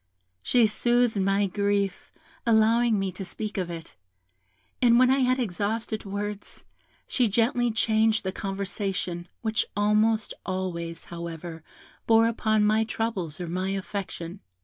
She soothed my grief by allowing me to speak of it; and when I had exhausted words, she gently changed the conversation, which almost always, however, bore upon my troubles or my affection.